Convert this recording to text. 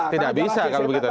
tidak bisa kalau begitu